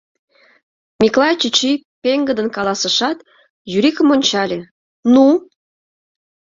— Миклай чӱчӱ пеҥгыдын каласышат, Юрикым ончале: — Ну?